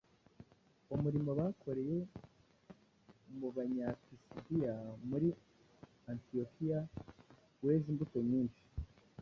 Umurimo bakoreye mu Banyapisidiya muri Antiyokiya weze imbuto nyinshi,